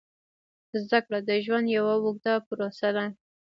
زده کړه د ژوند یوه اوږده پروسه ده.